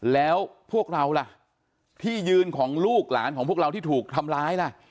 แล้วพวกเราล่ะที่ยืนของลูกหลานของพวกเราที่ถูกทำร้ายล่ะ